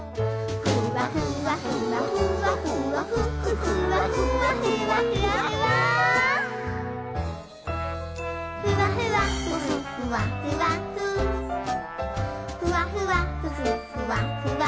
「ふわふわふふふわふわふふわふわふふふわふわふ」